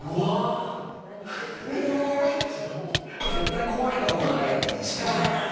絶対こう開けた方が早いのに。